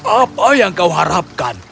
apa yang kau harapkan